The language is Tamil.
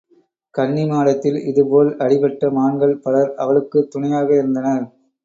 கன்னிமாடத்தில் இதுபோல் அடிபட்ட மான்கள் பலர் அவளுக்குத் துணையாக இருந்தனர்.